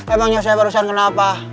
emangnya saya barusan kenapa